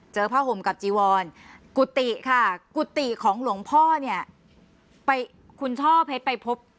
ผ้าห่มกับจีวรกุฏิค่ะกุฏิของหลวงพ่อเนี่ยไปคุณช่อเพชรไปพบ